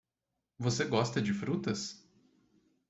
Você gosta de frutas?